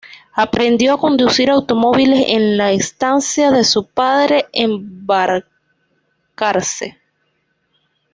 Aprendió a conducir automóviles en la estancia de su padre, en Balcarce.